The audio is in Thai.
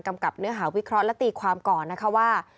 กับเนื้อหาวิเคราะห์และตีความก่อนนะคะว่า